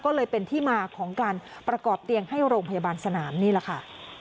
ก็เลยเป็นที่มาของการประกอบเตียงให้โรงพยาบาลสนามนี่แหละค่ะ